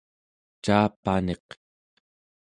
Caapaniq